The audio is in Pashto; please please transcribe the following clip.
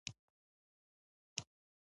د بدخشان په راغستان کې د قیمتي ډبرو نښې دي.